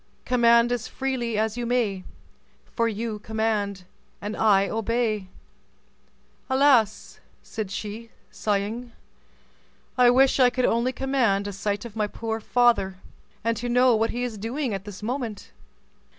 Command as freely as you may, For you command and I obey." "Alas!" said she, sighing; "I wish I could only command a sight of my poor father, and to know what he is doing at this moment."